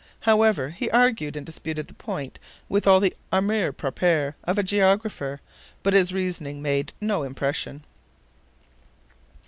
However, he argued and disputed the point with all the amour propre of a geographer, but his reasoning made no impression.